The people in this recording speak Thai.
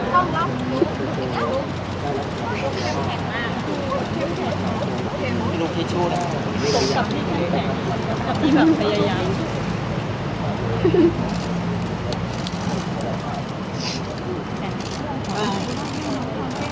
เข้มแข็งมาก